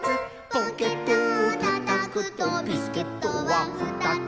「ポケットをたたくとビスケットはふたつ」